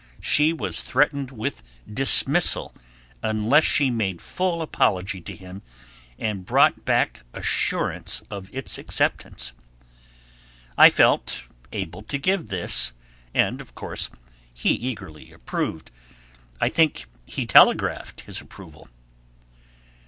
She was threatened with dismissal unless she made full apology to him and brought back assurance of its acceptance. I felt able to give this, and, of course, he eagerly approved; I think he telegraphed his approval.